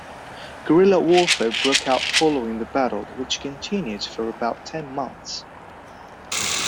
Guerrilla warfare broke out following the battle, which continued for about ten months.